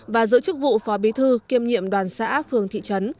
và giữ chức vụ phó bí thư kiêm nhiệm đoàn xã phường thị trấn